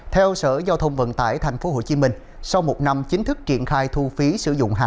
theo sở giao thông vận tải tp hcm sau một năm chính thức triển khai thu phí sử dụng